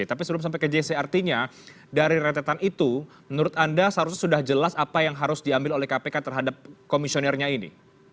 tapi sebelum sampai ke jc artinya dari rentetan itu menurut anda seharusnya sudah jelas apa yang harus diambil oleh kpk terhadap komisionernya ini